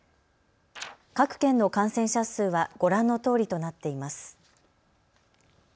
各県の感染者数はご覧のとおりとなっています。